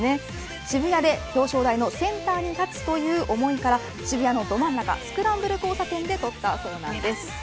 渋谷で、表彰台のセンターに立つという思いから渋谷のど真ん中スクランブル交差点で撮ったそうなんです。